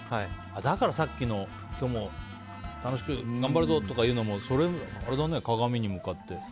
だから、さっきの今日も楽しく頑張るぞ！っていうのもそれだね、鏡に向かって。